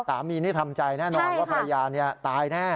สามีนี่ทำใจแน่นอนว่าภรรยาตายแน่